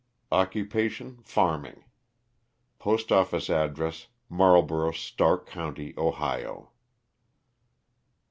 Occupation, farming. Postoffice address Marlboro, Stark county, Ohio.